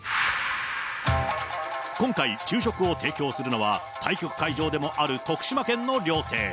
今回、昼食を提供するのは、対局会場でもある徳島県の料亭。